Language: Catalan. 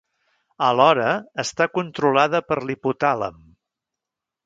Alhora, està controlada per l'hipotàlem.